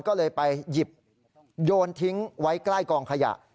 ก็เลยไปหยิบโยนทิ้งไว้ใกล้กองขยะ